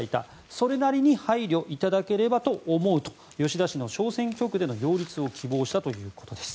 それなりに配慮いただければと思うと吉田氏の小選挙区での擁立を希望したということです。